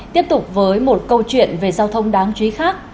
tiếp tục với một câu chuyện về giao thông đáng chú ý khác